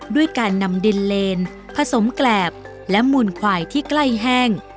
ด้วยการนำดินเลนผสมแกรบและมูลควายที่ใกล้แห้ง